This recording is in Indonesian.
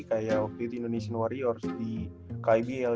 kayak oke di indonesian warriors di kbl